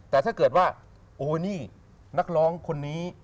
แต่ถ้าเกิดว่าโอ้นี่นักร้องคนนี้